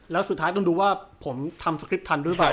แล้วสุดท้ายต้องดูว่าผมทำสคริปทันหรือเปล่า